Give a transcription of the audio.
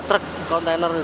nabrak truk kontainer itu